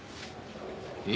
え？